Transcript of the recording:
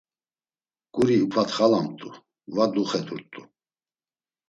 Guri upatxalamt̆u, va duxedurt̆u.